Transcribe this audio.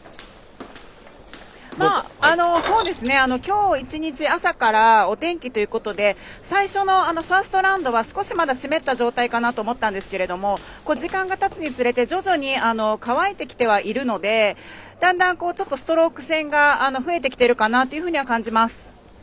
今日一日、朝からお天気ということで最初のファーストラウンドは少しまだ湿った状態かなと思ったんですけど時間がたつにつれて徐々に乾いてきてはいるのでだんだん、ストローク戦が増えてきているかなというふうには感じます。